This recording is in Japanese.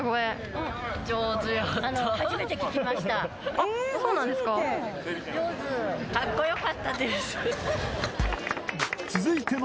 あっそうなんですか？